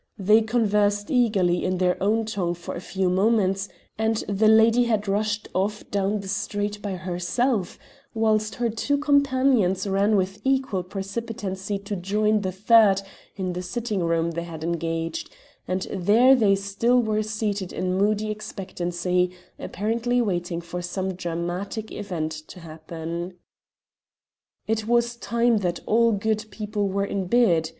They conversed eagerly in their own tongue for a few moments, and the lady had rushed off down the street by herself, whilst her two companions ran with equal precipitancy to join the third in the sitting room they had engaged, and there they were still seated in moody expectancy, apparently watching for some dramatic event to happen. It was time that all good people were in bed.